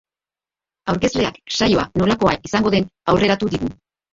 Aurkezleak saioa nolakoa izango den aurreratu digu.